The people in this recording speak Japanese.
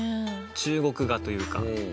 中国画というか。